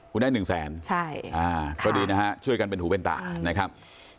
คุณให้๑๐๐๐๐๐บาทก็ดีนะฮะช่วยกันเป็นฐุเป็นตานะครับ